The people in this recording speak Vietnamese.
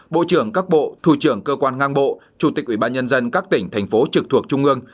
bộ trưởng các bộ thủ trưởng cơ quan ngang bộ chủ tịch ủy ban nhân dân các tỉnh thành phố trực thuộc trung ương